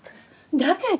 だけど！